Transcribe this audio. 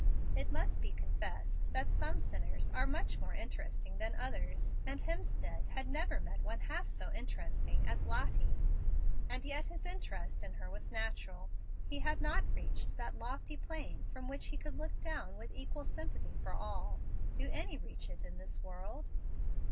It must be confessed that some sinners are much more interesting than others, and Hemstead had never met one half so interesting as Lottie. And yet his interest in her was natural. He had not reached that lofty plane from which he could look down with equal sympathy for all. Do any reach it, in this world?